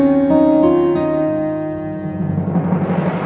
aku mau ke sana